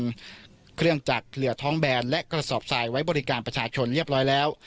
เครื่องจากเกลือท้องแบนและกระสอบทรายไว้บริการประชาชนเรียบร้อยแล้ว